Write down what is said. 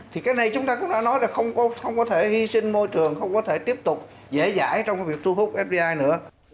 thì cái này chúng ta đã nói là không có thể hy sinh môi trường không có thể tiếp tục dễ dãi trong việc thu hút fbi nữa